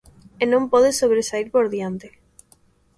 E non pode sobresaír por diante.